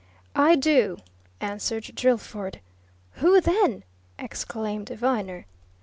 "I do!" answered Drillford. "Who, then?" exclaimed Viner.